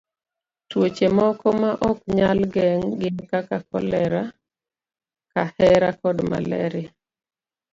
Tuoche moko ma ok nyal geng' gin kaka kolera, kahera, kod malaria.